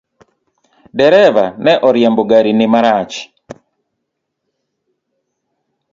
Dereva ne orimbo gari ni marach .